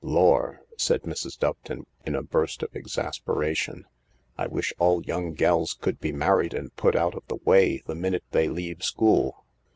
Lor'," said Mrs.Doveton in a burst of exasperation, " I wish all young gells could be married and put out of the way the minute they leave school.